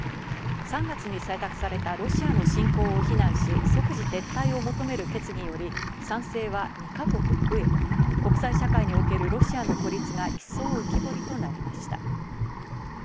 ３月に採択されたロシアの侵攻を非難し、即時撤退を求める決議より賛成は２か国増え、国際社会におけるロシアの孤立が一層、浮き彫りとなりました。